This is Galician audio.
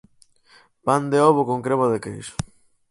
Pan de ovo con crema de queixo.